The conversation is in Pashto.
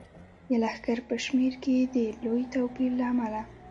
د لښکر په شمیر کې د لوی توپیر له امله.